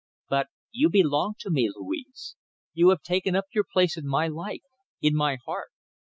But you belong to me, Louise! You have taken up your place in my life, in my heart!